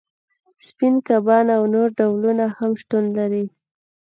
سپین کبان او نور ډولونه هم شتون لري